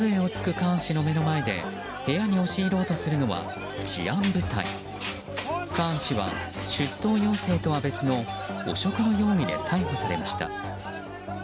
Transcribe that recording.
カーン氏は、出頭要請とは別の汚職の容疑で逮捕されました。